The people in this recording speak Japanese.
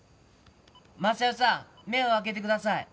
昌代さん目を開けてください！